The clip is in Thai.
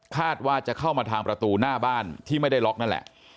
คาดว่าจะเข้ามาทางประตูหน้าบ้านที่ไม่ได้ล็อกนั่นแหละ